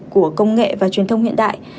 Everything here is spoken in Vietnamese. của công nghệ và truyền thông hiện đại